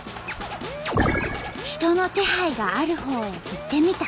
人の気配があるほうへ行ってみた。